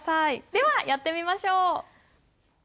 ではやってみましょう。